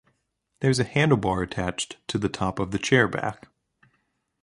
There is a handlebar attached to the top of the chair back.